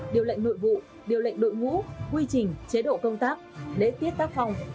điều lệnh nội vụ điều lệnh đội ngũ quy trình chế độ công tác lễ tiết tác phong